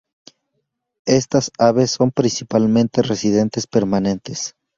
Estas aves son principalmente residentes permanentes.